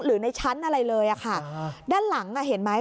หรือในชั้นอะไรเลยอะค่ะด้านหลังอ่ะเห็นไหม